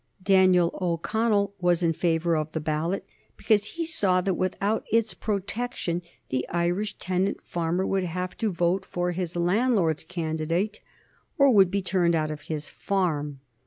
Daniel O'Connell was in favor of the ballot, because he saw that without its protection the Irish tenant farmer would have to vote for his landlord's candidate or would be turned out of his farm.